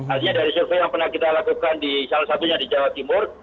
artinya dari survei yang pernah kita lakukan di salah satunya di jawa timur